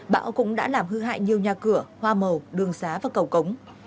bão cũng đã làm hư hại nhiều nhà cửa hoa màu đường xá và cầu cống